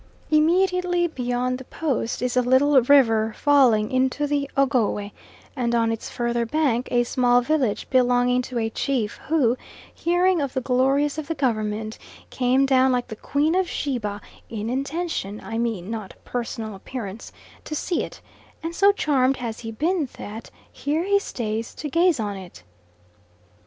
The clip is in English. Immediately beyond the Post is a little river falling into the Ogowe, and on its further bank a small village belonging to a chief, who, hearing of the glories of the Government, came down like the Queen of Sheba in intention, I mean, not personal appearance to see it, and so charmed has he been that here he stays to gaze on it.